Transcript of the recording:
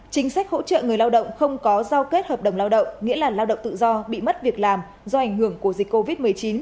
chính sách hỗ trợ người lao động không có giao kết hợp đồng lao động nghĩa là lao động tự do bị mất việc làm do ảnh hưởng của dịch covid một mươi chín